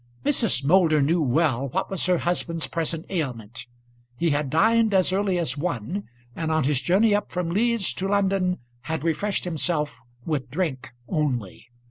Mrs. Moulder knew well what was her husband's present ailment. He had dined as early as one, and on his journey up from Leeds to London had refreshed himself with drink only.